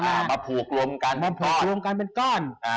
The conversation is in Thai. มาผูกรวมกันเป็นก้อน